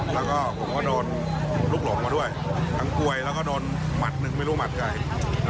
แล้วก็ผมก็โดนลูกหลงมาด้วยทั้งกวยแล้วก็โดนหมัดหนึ่งไม่รู้หมัดใคร